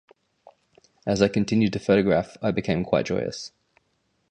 As I continued to photograph I became quite joyous.